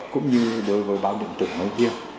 cũng như đối với báo điện tử nói riêng